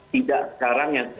tidak sekarang yang